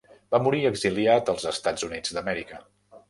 Va morir exiliat als Estats Units d'Amèrica.